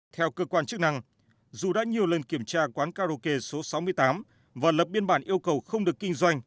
theo cơ quan chức năng dù đã nhiều lần kiểm tra quán karaoke số sáu mươi tám và lập biên bản yêu cầu không được kinh doanh